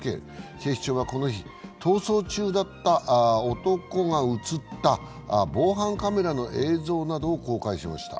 警視庁はこの日逃走中だった男が映った防犯カメラの映像などを公開しました。